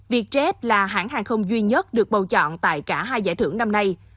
vietjet là hãng hàng không duy nhất được bầu chọn tại cả hai giải thưởng năm nay